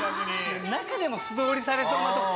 中でも素通りされそうなとこ。